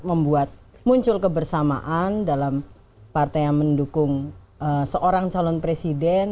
membuat muncul kebersamaan dalam partai yang mendukung seorang calon presiden